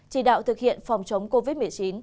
chỉ đạo thực hiện phòng chống covid một mươi chín